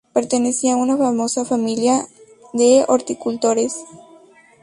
Pertenecía a una famosa familia de horticultores.